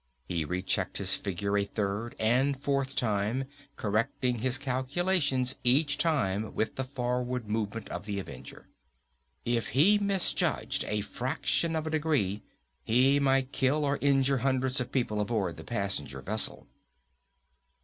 He rechecked his figure a third and fourth time, correcting his calculations each time with the forward movement of the Avenger. If he misjudged a fraction of a degree, he might kill or injure hundreds of people aboard the passenger vessel.